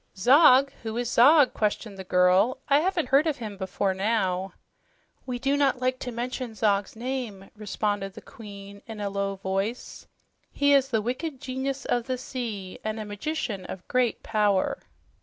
"Zog! Who is Zog?" questioned the girl. "I haven't heard of him before now." "We do not like to mention Zog's name," responded the Queen in a low voice. "He is the wicked genius of the sea, and a magician of great power."